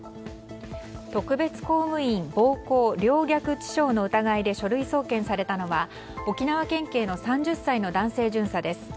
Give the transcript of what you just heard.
特別公務員暴行陵虐致傷の疑いで書類送検されたのは沖縄県警の３０歳の男性巡査です。